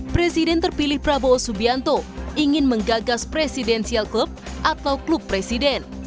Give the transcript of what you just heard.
presiden terpilih prabowo subianto ingin menggagas presidensial klub atau klub presiden